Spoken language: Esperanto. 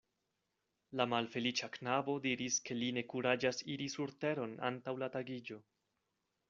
La malfeliĉa knabo diris, ke li ne kuraĝas iri surteron antaŭ la tagiĝo.